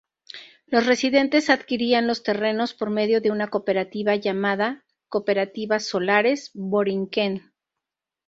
Los residentes adquirían los terrenos por medio de una cooperativa llamada Cooperativa Solares Borinquen.